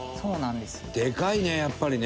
「でかいねやっぱりね」